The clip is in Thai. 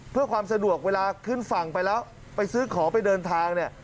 เพื่อความสะดวกเวลาขึ้นฝั่งไปแล้วไปซื้อของไปเดินทางเนี่ย